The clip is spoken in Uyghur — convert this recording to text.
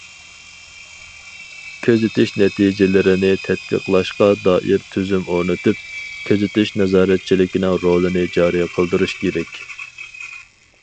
كۆزىتىش نەتىجىلىرىنى تەتبىقلاشقا دائىر تۈزۈم ئورنىتىپ، كۆزىتىش نازارەتچىلىكىنىڭ رولىنى جارى قىلدۇرۇش كېرەك.